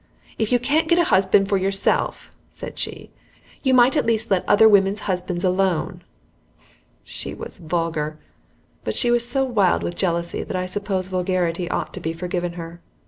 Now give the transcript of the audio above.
"If you can't get a husband for yourself," said she, "you might at least let other women's husbands alone!" She was vulgar, but she was so wild with jealousy that I suppose vulgarity ought to be forgiven her.